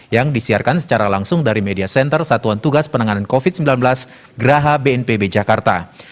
yang disiarkan secara langsung dari media center satuan tugas penanganan covid sembilan belas graha bnpb jakarta